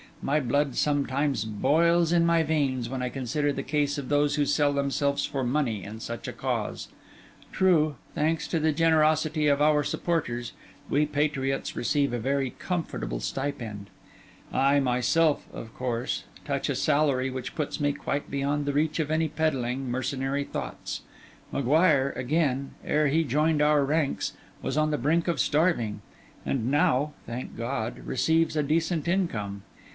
My blood sometimes boils in my veins, when I consider the case of those who sell themselves for money in such a cause. True, thanks to the generosity of our supporters, we patriots receive a very comfortable stipend; I myself, of course, touch a salary which puts me quite beyond the reach of any peddling, mercenary thoughts; M'Guire, again, ere he joined our ranks, was on the brink of starving, and now, thank God! receives a decent income.